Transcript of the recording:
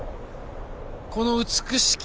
この美しき